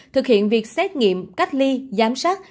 thực hiện việc xét nghiệm cách ly giám sát